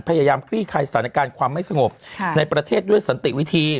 คลี่คลายสถานการณ์ความไม่สงบในประเทศด้วยสันติวิธี